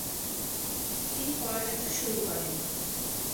তিনি পড়ালেখা শুরু করেন।